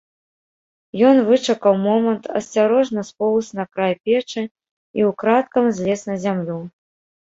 Ён вычакаў момант, асцярожна споўз на край печы і ўкрадкам злез на зямлю.